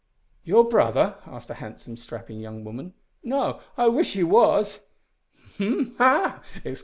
"Your brother?" asked a handsome, strapping young woman. "No I wish he was!" "Hm! ha!"